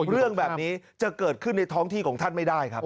เรื่องแบบนี้จะเกิดขึ้นในท้องที่ของท่านไม่ได้ครับ